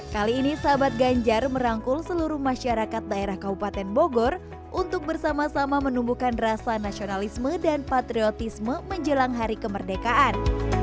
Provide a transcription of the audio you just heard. kali ini sahabat ganjar merangkul seluruh masyarakat daerah kabupaten bogor untuk bersama sama menumbuhkan rasa nasionalisme dan patriotisme menjelang hari kemerdekaan